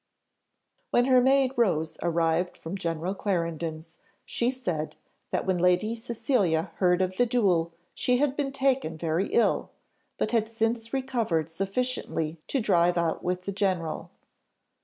When her maid Rose arrived from General Clarendon's, she said, that when Lady Cecilia heard of the duel she had been taken very ill, but had since recovered sufficiently to drive out with the general.